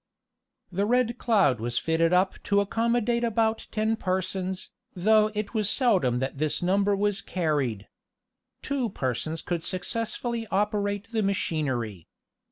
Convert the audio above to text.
The Red Cloud was fitted up to accommodate about ten persons, though it was seldom that this number was carried. Two persons could successfully operate the machinery.